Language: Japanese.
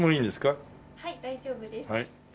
はい大丈夫です。